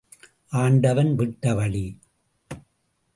ஆண்டவன் விட்ட வழி.